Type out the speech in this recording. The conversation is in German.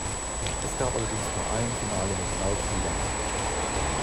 Es gab allerdings nur ein Finale mit drei Spielern.